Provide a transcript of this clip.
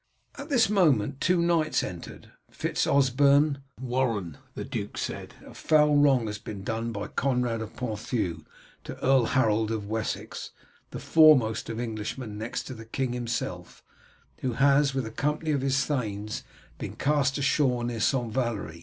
At this moment two knights entered. "Fitz Osberne, Warren," the duke said, "a foul wrong has been done by Conrad of Ponthieu to Earl Harold of Wessex, the foremost of Englishmen next to the king himself, who has, with a company of his thanes, been cast ashore near St. Valery.